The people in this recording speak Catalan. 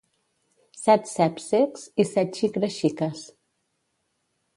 Set ceps cecs i set xicres xiques.